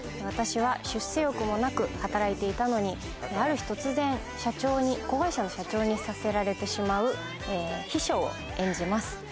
私は出世欲もなく働いていたのにある日突然子会社の社長にさせられてしまう秘書を演じます。